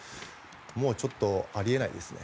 もうちょっとあり得ないですね